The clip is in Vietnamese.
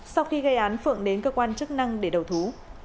sau khi gây án phượng đến cơ quan chức năng để đầu thú